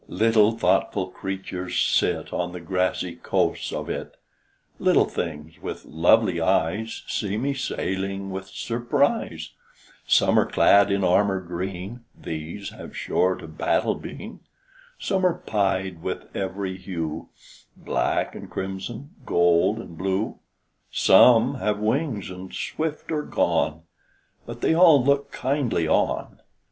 Little thoughtful creatures sit On the grassy coasts of it; Little things with lovely eyes See me sailing with surprise. Some are clad in armor green (These have sure to battle been!) Some are pied with ev'ry hue, Black and crimson, gold and blue; Some have wings and swift are gone; But they all look kindly on.